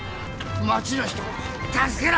町の人を助けろ！